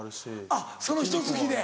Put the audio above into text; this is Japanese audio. あっそのひと月で。